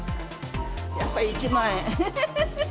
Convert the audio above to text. やっぱ１万円。